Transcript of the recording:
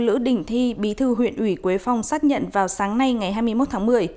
lữ đình thi bí thư huyện ủy quế phong xác nhận vào sáng nay ngày hai mươi một tháng một mươi